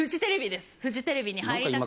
フジテレビに入りたく。